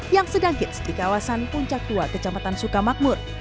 yang sedang hits di kawasan puncak dua kejamatan sukamakmur